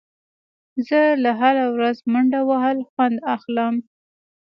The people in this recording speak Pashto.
زه له هره ورځ منډه وهل خوند اخلم.